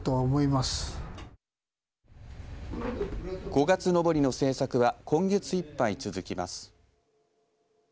五月のぼりの制作は今月いっぱい続きます。